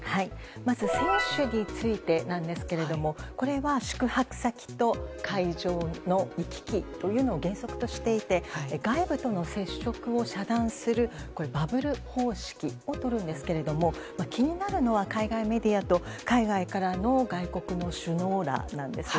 まず選手についてなんですがこれは宿泊先と会場の行き来というのを原則としていて外部との接触を遮断するバブル方式をとるんですけど気になるのは、海外メディアと海外からの外国の首脳らなんです。